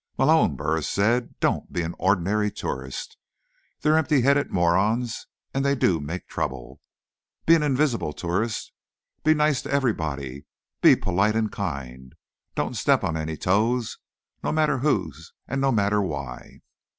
"Malone," Burris said, "don't be an ordinary tourist. They're empty headed morons and they do make trouble. Be an invisible tourist. Be nice to everybody. Be polite and kind. Don't step on any toes, no matter whose and no matter why."